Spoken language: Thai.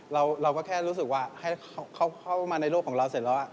เราก็แค่รู้สึกว่าให้เข้ามาในโลกของเราเสร็จแล้ว